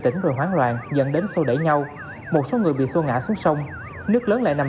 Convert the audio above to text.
tĩnh rồi hoảng loạn dẫn đến xô đẩy nhau một số người bị xô ngã xuống sông nước lớn lại nằm